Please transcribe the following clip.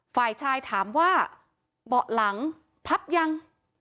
ฝ่ายชายถามว่าเบาะหลังพับยัง